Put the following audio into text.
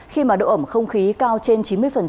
khi mà độ ẩm không khí cao trên chín mươi